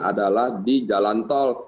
adalah di jalan tol